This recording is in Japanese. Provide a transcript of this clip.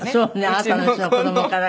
あなたのうちの子どもから。